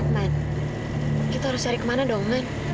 men kita harus cari kemana dong men